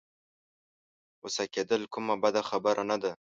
غوسه کېدل کومه بده خبره نه ده.